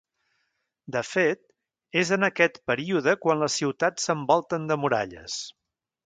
De fet, és en aquest període quan les ciutats s'envolten de muralles.